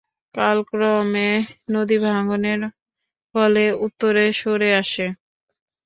কালক্রমে নদী ভাঙনের ফলে উত্তরে সরে আসে।